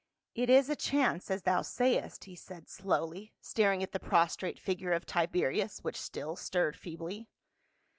" It is a chance, as thou say est," he said slowly, staring at the prostrate figure of Tiberius which still stirred feebly.